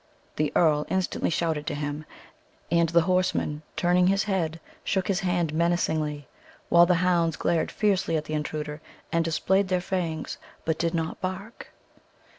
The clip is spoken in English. The earl instantly shouted to him, and the horseman turning his head, shook his hand menacingly, while the hounds glared fiercely at the intruder, and displayed their fangs, but did not bark.